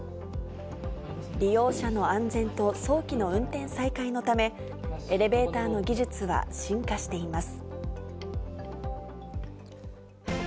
利用者の安全と、早期の運転再開のため、エレベーターの技術は進化しています。